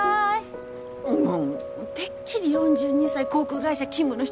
もうってっきり４２歳航空会社勤務の人かと